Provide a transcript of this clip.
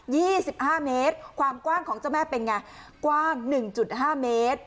สิบห้าเมตรความกว้างของเจ้าแม่เป็นไงกว้างหนึ่งจุดห้าเมตร